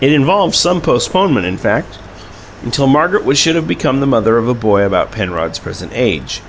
It involved some postponement in fact, until Margaret should have become the mother of a boy about Penrod's present age.